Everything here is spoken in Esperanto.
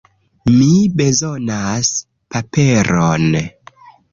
Mi bezonas paperon